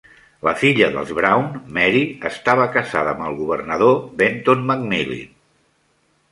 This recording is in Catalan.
La filla dels Brown, Marie, estava casada amb el governador Benton McMillin.